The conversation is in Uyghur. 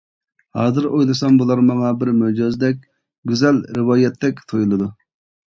ھازىر ئويلىسام بۇلار ماڭا بىر مۆجىزىدەك، گۈزەل رىۋايەتتەك تۇيۇلىدۇ.